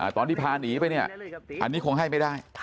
ตอนที่พาหนีไปเนี่ยอันนี้คงให้ไม่ได้